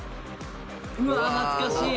うわ懐かしい！